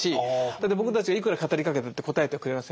だって僕たちがいくら語りかけたって答えてはくれませんからね。